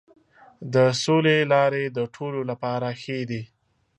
د سولې لارې د ټولو لپاره ښې دي.